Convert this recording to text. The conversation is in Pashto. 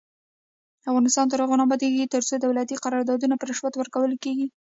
افغانستان تر هغو نه ابادیږي، ترڅو دولتي قراردادونه په رشوت ورکول کیږي.